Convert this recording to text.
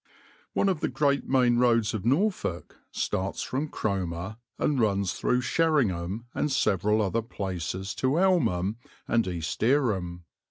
One of the great main roads of Norfolk starts from Cromer and runs through Sheringham and several other places to Elmham and East Dereham.